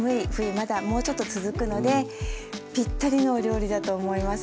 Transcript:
まだもうちょっと続くのでぴったりのお料理だと思います。